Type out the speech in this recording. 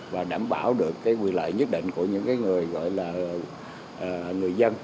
và đảm bảo được cái quyền lợi nhất định của những cái người gọi là người dân